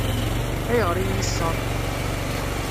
Ayɣer i yi-yeṣṣeṛ?